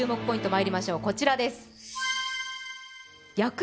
まいりましょうこちらです